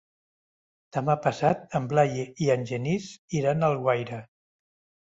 Demà passat en Blai i en Genís iran a Alguaire.